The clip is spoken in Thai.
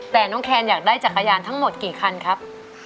แต่น้องแคนอยากได้จักรยานทั้งหมดกี่คันครับ